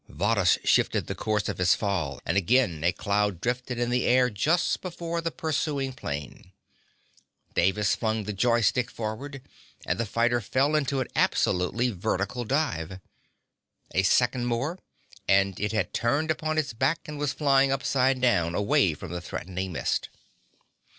Varrhus shifted the course of his fall, and again a cloud drifted in the air just before the pursuing plane. Davis flung the "joy stick" forward, and the fighter fell into an absolutely vertical dive. A second more and it had turned upon its back and was flying upside down, away from the threatening mist.